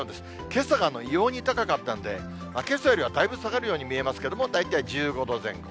けさが異様に高かったんで、けさよりはだいぶ下がるように見えますけども、大体１５度前後。